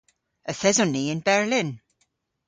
Yth eson ni yn Berlin.